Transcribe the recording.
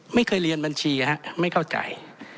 ไม่เคยเรียนบัญชีไม่เข้าใจ